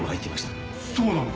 そうなのか？